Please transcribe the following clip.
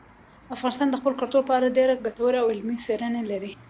افغانستان د خپل کلتور په اړه ډېرې ګټورې او علمي څېړنې لري.